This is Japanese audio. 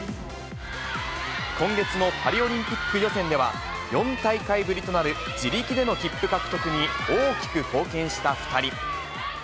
今月のパリオリンピック予選では、４大会ぶりとなる自力での切符獲得に大きく貢献した２人。